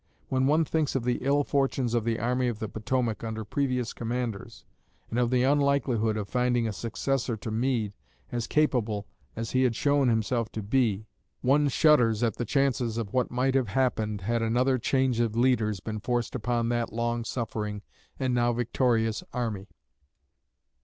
When one thinks of the ill fortunes of the Army of the Potomac under previous commanders, and of the unlikelihood of finding a successor to Meade as capable as he had shown himself to be, one shudders at the chances of what might have happened had another change of leaders been forced upon that long suffering and now victorious army.